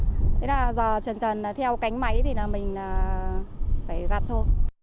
thế là giờ trần trần theo cánh máy thì mình phải gặp thôi